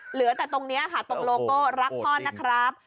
เหลือแต่ตรงนี้ค่ะตรงโลโก้รักพ่อนะครับ